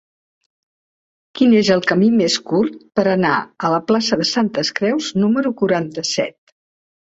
Quin és el camí més curt per anar a la plaça de Santes Creus número quaranta-set?